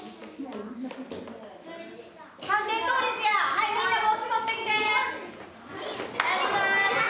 はいみんな帽子持ってきて。